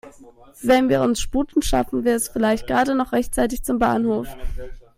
Wenn wir uns sputen, schaffen wir es vielleicht gerade noch rechtzeitig zum Bahnhof.